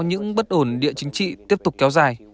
những bất ổn địa chính trị tiếp tục kéo dài